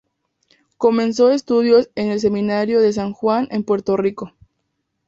Comenzó estudios en el seminario de San Juan en Puerto Rico.